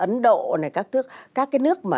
ấn độ này các nước mà